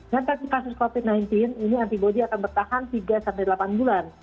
dan saat dikasih covid sembilan belas ini antibodi akan bertahan tiga sampai delapan bulan